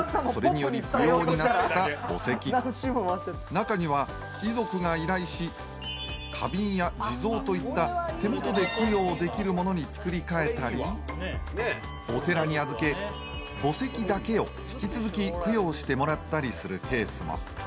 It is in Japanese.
中には遺族がいない石、花瓶や地蔵といった、手元で供養できるものに作りかえたり、お寺に預け、墓石だけを引き続き供養してもらったりするケースも。